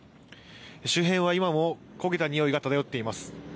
周辺は今も焦げた臭いが漂っています。